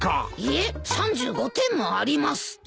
いえ３５点もあります！